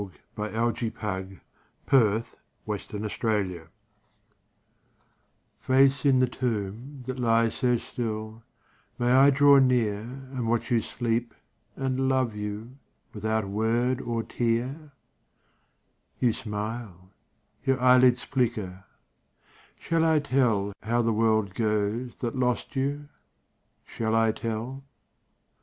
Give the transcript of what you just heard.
Harper's Charles Hanson Towne Desiderium Face in the tomb, that lies so still, May I draw near, And watch you sleep and love you, Without word or tear? You smile, your eyelids flicker; Shall I tell How the world goes that lost you? Shall I tell?